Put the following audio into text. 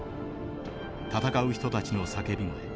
戦う人たちの叫び声。